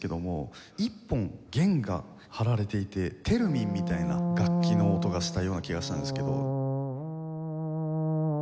１本弦が張られていてテルミンみたいな楽器の音がしたような気がしたんですけど。